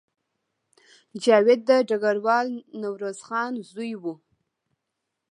جاوید د ډګروال نوروز خان زوی و